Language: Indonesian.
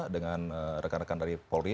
dengan rekan rekan dari polri